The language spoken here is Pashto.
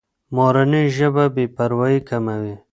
مورنۍ ژبه بې پروایي کموي.